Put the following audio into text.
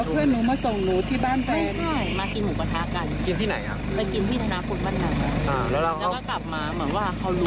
เพื่อนหนูว่า๓คนแต่เพื่อนหนูว่าเขากลับไปก่อน